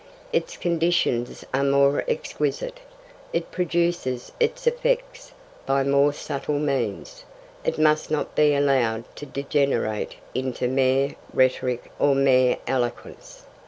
Its conditions are more exquisite. It produces its effects by more subtle means. It must not be allowed to degenerate into mere rhetoric or mere eloquence.